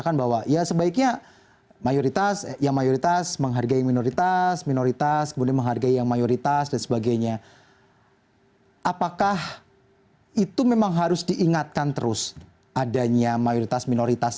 kalau kita mikir mayoritas dan minoritas